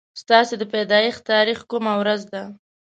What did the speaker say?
ستاسو د پيدايښت تاريخ کومه ورځ ده